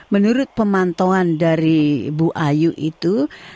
menurut pemantauan dari bu ayu itu